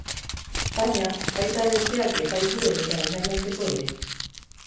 Baina, baita besteak epaitu edota engainatzeko ere.